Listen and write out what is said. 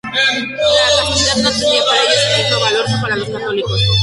La castidad no tenía para ellos el mismo valor que para los católicos.